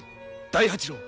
大八郎。